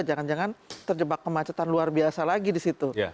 jangan jangan terjebak kemacetan luar biasa lagi di situ